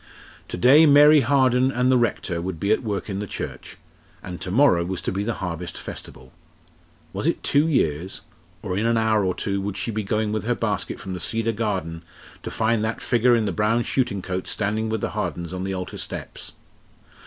To day Mary Harden and the Rector would be at work in the church, and to morrow was to be the Harvest Festival. Was it two years? or in an hour or two would she be going with her basket from the Cedar Garden, to find that figure in the brown shooting coat standing with the Hardens on the altar steps?